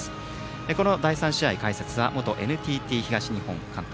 この第３試合の解説は元ＮＴＴ東日本監督